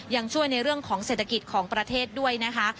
ยังช่วยในเรื่องของเศรษฐกิจของประเทศด้วยนะคะ